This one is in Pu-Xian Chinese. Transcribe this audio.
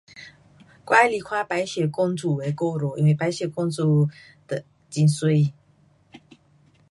我喜欢看白雪公主的故事，因为白雪公主很美。